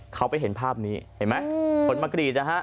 เขาไปเห็นภาพนี้เห็นไหมคนมากรีดนะฮะ